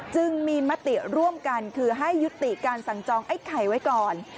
จึงมีมติร่วมกันคือให้ยุติการสั่งจองไอ้ไข่ไว้ก่อน